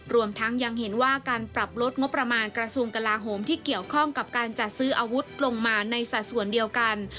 รวมทั้งยังเห็นว่าการปรับลดงบประมาณกระทรวงกลาโหมที่เกี่ยวข้องกับการจัดซื้ออาวุธลงมาในสัดส่วนเดียวกัน